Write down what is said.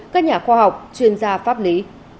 các nhà khoa học chuyên gia pháp lý